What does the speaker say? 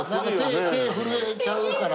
手震えちゃうから。